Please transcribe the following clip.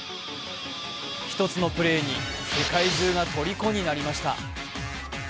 １つのプレーに世界中がとりこになりました。